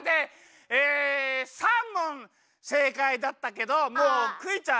え３もんせいかいだったけどもうクイちゃん